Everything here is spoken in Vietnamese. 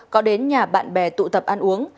có đến nhà bạn bè tụ tập ăn uống